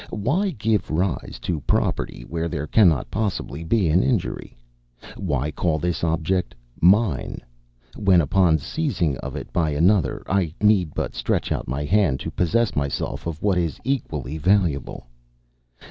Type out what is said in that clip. Why give rise to property, where there cannot possibly be any injury? Why call this object mine, when, upon seizing of it by another, I need but stretch out my hand to possess myself of what is equally valuable?